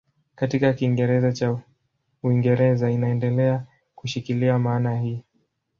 Katika Kiingereza cha Uingereza inaendelea kushikilia maana hii.